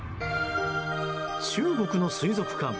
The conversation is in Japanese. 中国の水族館。